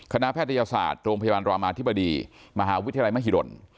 แพทยศาสตร์โรงพยาบาลรามาธิบดีมหาวิทยาลัยมหิดล